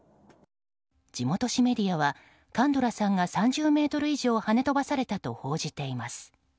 地元紙メディアはカンドゥラさんが３０ｍ以上跳ね飛ばされたと報じています。